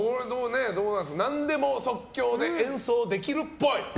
なんでも即興で演奏できるっぽい。